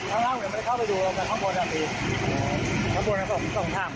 ทั้งบนเนี้ยของถ้ำ